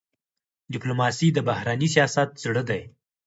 ډيپلوماسي د بهرني سیاست زړه دی.